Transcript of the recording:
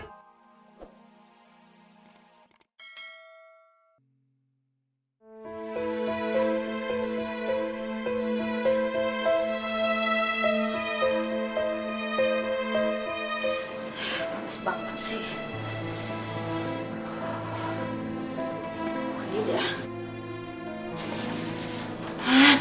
panas banget sih